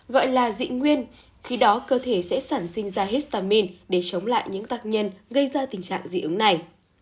gọi là dị nguyên khi đó cơ thể sẽ sản sinh ra histamin để chống lại những tác nhân gây ra tình trạng dị ứng này